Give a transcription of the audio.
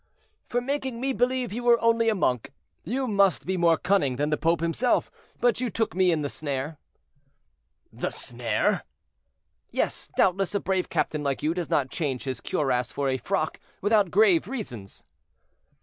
"For making me believe you were only a monk. You must be more cunning than the pope himself; but you took me in the snare." "The snare?" "Yes, doubtless; a brave captain like you does not change his cuirass for a frock without grave reasons."